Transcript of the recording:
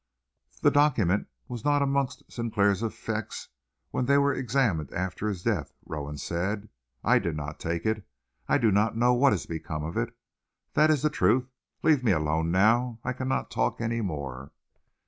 "The document was not amongst Sinclair's effects when they were examined after his death," Rowan said. "I did not take it. I do not know what has become of it. That is the truth. Leave me alone now. I cannot talk any more."